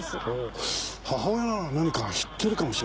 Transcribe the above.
母親なら何か知ってるかもしれませんね。